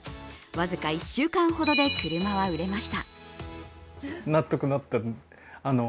僅か１週間ほどで車は売れました。